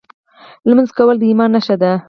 لمونځ کول د ایمان نښه ده .